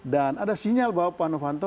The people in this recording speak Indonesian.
dan ada sinyal bahwa pak novanto